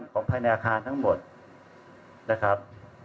ของภายในอาคารทั้งหมดนะครับ